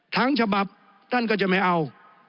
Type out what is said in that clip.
ทั้งฉบับท่านก็จะไม่เอา